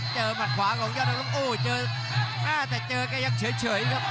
เจอหมัดขวาของยอดอังโลกโอ้โหเจอแต่เจอกันยังเฉยครับ